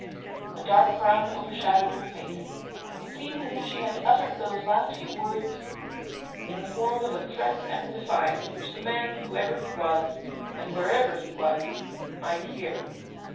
A dark frown overshadowed her face. It seemed as if she had uttered those last few words 236 in the form of a threat and a defiance, which the man, whoever he was, and wherever he was, might hear.